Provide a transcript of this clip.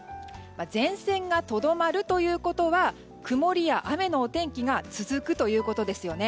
前線がとどまるということは曇りや雨のお天気が続くということですよね。